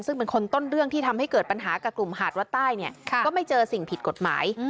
ซึ่งเป็นคนต้นเรื่องที่ทำให้เกิดปัญหากับกลุ่มหาดวัดใต้เนี่ยก็ไม่เจอสิ่งผิดกฎหมาย